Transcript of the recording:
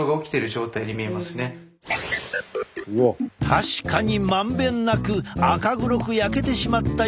確かに満遍なく赤黒く焼けてしまったように見える。